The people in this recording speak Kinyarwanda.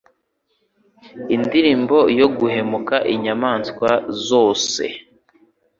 indirimbo yo guhumeka inyamaswa zose